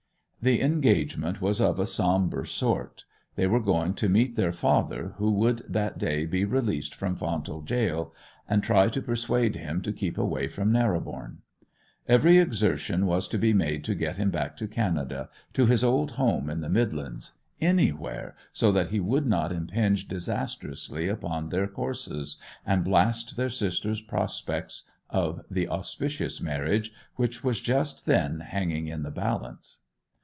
The engagement was of a sombre sort. They were going to meet their father, who would that day be released from Fountall Gaol, and try to persuade him to keep away from Narrobourne. Every exertion was to be made to get him back to Canada, to his old home in the Midlands—anywhere, so that he would not impinge disastrously upon their courses, and blast their sister's prospects of the auspicious marriage which was just then hanging in the balance.